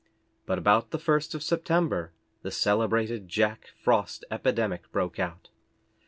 But about the first of September the celebrated Jack Frost epidemic broke out.